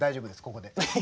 ここで。